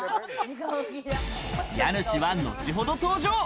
家主は後ほど登場！